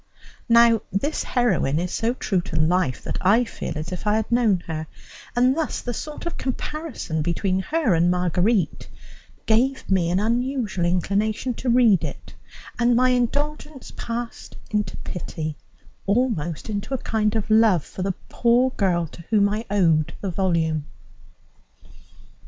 Now this heroine is so true to life that I feel as if I had known her; and thus the sort of comparison between her and Marguerite gave me an unusual inclination to read it, and my indulgence passed into pity, almost into a kind of love for the poor girl to whom I owed the volume.